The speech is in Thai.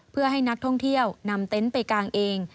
เพื่อให้นักท่องเที่ยวนำเต็นต์ไปกางเอง